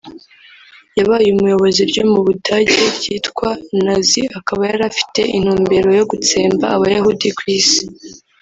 yabaye umuyobozi ryo mu Budage ryitwa Nazi akaba yari afite intumbero yo gutsemba abayahudi ku Isi